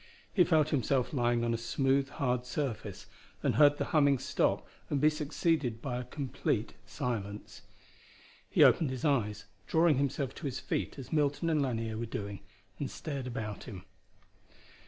He felt himself lying on a smooth hard surface, and heard the humming stop and be succeeded by a complete silence. He opened his eyes, drawing himself to his feet as Milton and Lanier were doing, and stared about him.